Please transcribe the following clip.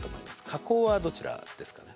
河口はどちらですかね。